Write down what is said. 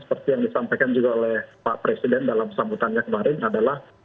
seperti yang disampaikan juga oleh pak presiden dalam sambutannya kemarin adalah